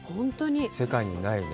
世界にないね。